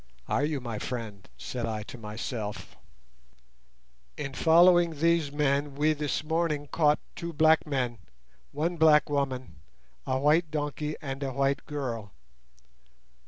"Are you, my friend?" said I to myself. "In following these men we this morning caught two black men, one black woman, a white donkey, and a white girl.